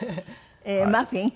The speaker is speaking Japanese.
マフィン？